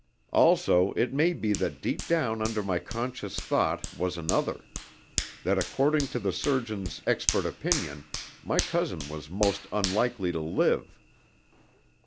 Also, it may be that deep down under my conscious thought was another: that according to the surgeon's expert opinion, my cousin was most unlikely to live.